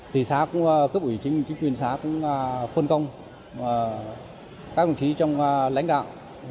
thì xã cũng cướp ủy chính quyền xã cũng phân công các quản trí trong lãnh đạo